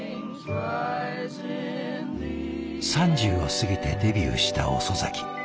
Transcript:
３０を過ぎてデビューした遅咲き。